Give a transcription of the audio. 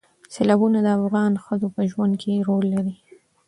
سیلابونه د افغان ښځو په ژوند کې رول لري.